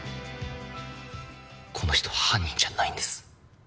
この人、犯人じゃないんです。